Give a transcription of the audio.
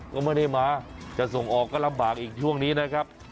ก็ไม่ได้มาจะส่งออกก็ลำบากอีกช่วงนี้นะครับ